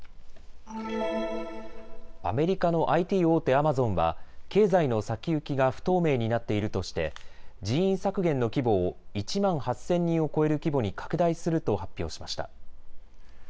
アメリカのＩＴ大手、アマゾンは経済の先行きが不透明になっているとして人員削減の規模を１万８０００人を超える規模に拡大すると発表しました。